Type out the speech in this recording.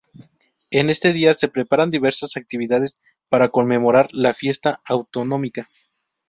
En este día se preparan diversas actividades para conmemorar la fiesta autonómica.